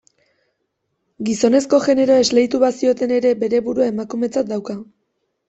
Gizonezko generoa esleitu bazioten ere, bere burua emakumetzat dauka.